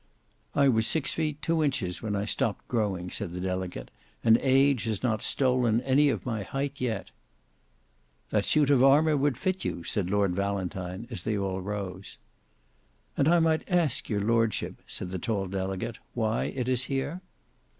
"I was six feet two inches when I stopped growing," said the delegate; "and age has not stolen any of my height yet." "That suit of armour would fit you," said Lord Valentine, as they all rose. "And might I ask your lordship," said the tall delegate, "why it is here?"